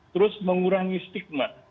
terus mengurangi stigma